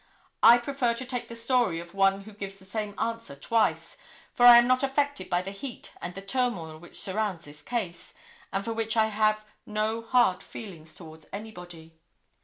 I prefer to take the story of one who gives the same answer twice, for I am not affected by the heat and the turmoil which surrounds this case, and for which I have no hard feelings towards anybody.